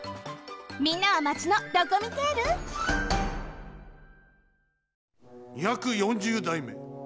みんなはマチのドコミテール？２４０だいめ。